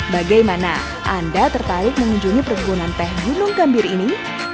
bagaimana anda tertarik mengunjungi perkebunan teh gunung gambir ini